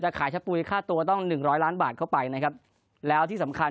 ถ้าเกิดจะขายชะปุ๋ยค่าตัวต้อง๑๐๐ล้านบาทเข้าไปนะครับแล้วที่สำคัญ